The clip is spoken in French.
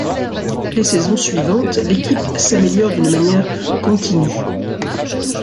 Les saisons suivantes, l'équipe s'améliore d'une manière continue.